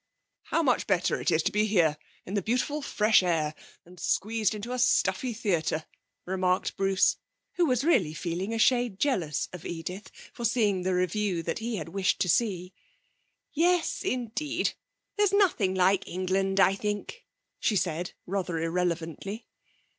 'How much better it is to be here in the beautiful fresh air than squeezed into a stuffy theatre,' remarked Bruce, who was really feeling a shade jealous of Edith for seeing the revue that he had wished to see. 'Yes, indeed. There's nothing like England, I think,' she said rather irrelevantly.